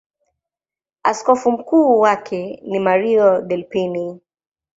Askofu mkuu wake ni Mario Delpini.